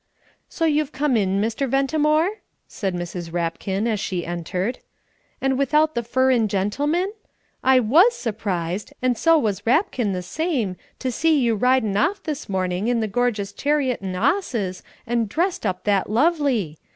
"So you've come in, Mr. Ventimore?" said Mrs. Rapkin, as she entered. "And without the furrin gentleman? I was surprised, and so was Rapkin the same, to see you ridin' off this morning in the gorgious chariot and 'osses, and dressed up that lovely!